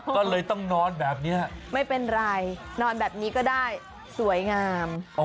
ก็เลยต้องนอนแบบนี้ไม่เป็นไรนอนแบบนี้ก็ได้สวยงาม